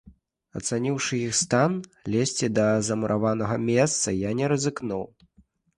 Ацаніўшы іх стан, лезці да замураванага месца я не рызыкнуў.